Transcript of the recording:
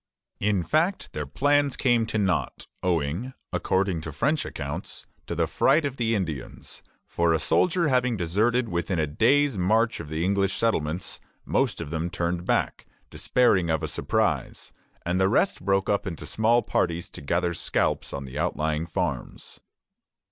In fact, their plans came to nought, owing, according to French accounts, to the fright of the Indians; for a soldier having deserted within a day's march of the English settlements, most of them turned back, despairing of a surprise, and the rest broke up into small parties to gather scalps on the outlying farms.